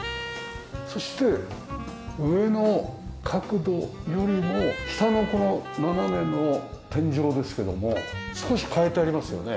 そして上の角度よりも下のこの斜めの天井ですけども少し変えてありますよね？